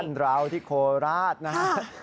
บ้านเราที่โคราชนะครับ